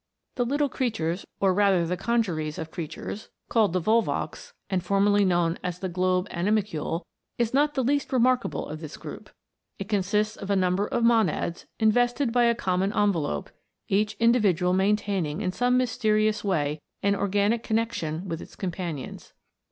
The little creatures, or rather the congeries of crea tures, called the Volvox, and formerly known as the globe animalcule, is not the least remarkable of this group. It consists of a number of monads, invested by a common envelope, each individual maintaining 218 THE INVISIBLE WORLD. in some mysterious way an organic connexion with its companions.